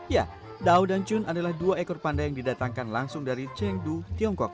ya dao dan chun adalah dua ekor panda yang didatangkan langsung dari chengdu tiongkok